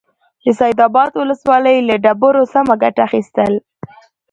د سيدآباد ولسوالۍ له ډبرو سمه گټه اخيستل: